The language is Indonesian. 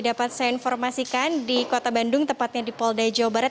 dapat saya informasikan di kota bandung tepatnya di polda jawa barat